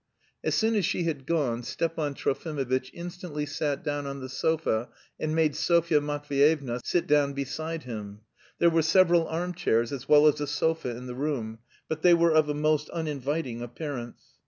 As soon as she had gone Stepan Trofimovitch instantly sat down on the sofa and made Sofya Matveyevna sit down beside him. There were several arm chairs as well as a sofa in the room, but they were of a most uninviting appearance.